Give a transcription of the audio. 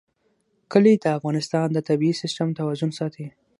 کلي د افغانستان د طبعي سیسټم توازن ساتي.